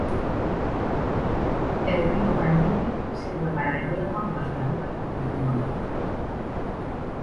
El río Cañete sirve para el riego de los terrenos de cultivo.